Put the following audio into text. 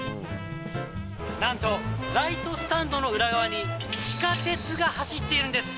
なんと、ライトスタンドの裏側に、地下鉄が走っているんです。